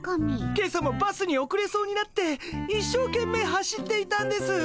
今朝もバスにおくれそうになって一生懸命走っていたんです。